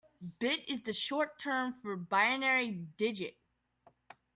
Bit is the short term for binary digit.